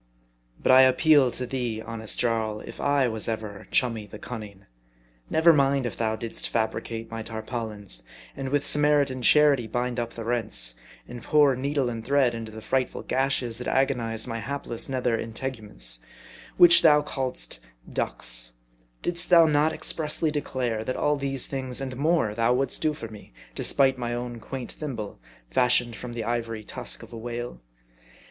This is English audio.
But I appeal to thee, honest Jarl, if I was ever chummy the cunning. Never mind if thou didst fabricate my tar paulins ; and with Samaritan charity bind up the rents, and pour needle and thread into the frightful gashes that agonized my hapless nether integuments, which thou calledst " ducks ;" Didst thou not expressly declare, that all these things, and more, thou wouldst do for me, despite my own quaint thimble, fashioned from the ivory tusk of a whale